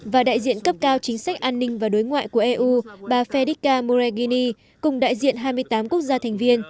và đại diện cấp cao chính sách an ninh và đối ngoại của eu bà fedca moregini cùng đại diện hai mươi tám quốc gia thành viên